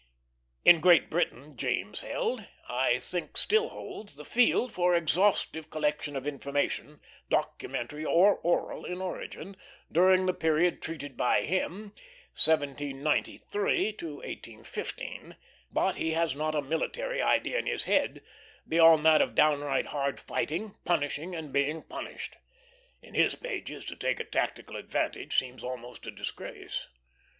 In Great Britain, James held, and I think still holds, the field for exhaustive collection of information, documentary or oral in origin, during the period treated by him, 1793 1815; but he has not a military idea in his head beyond that of downright hard fighting, punishing and being punished. In his pages, to take a tactical advantage seems almost a disgrace.